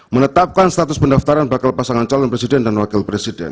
menetapkan status pendaftaran bakal pasangan calon presiden dan wakil presiden